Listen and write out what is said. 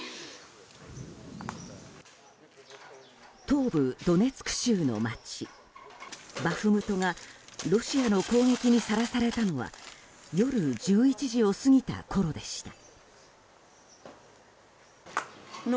東部ドネツク州の街バフムトがロシアの攻撃にさらされたのは夜１１時を過ぎたころでした。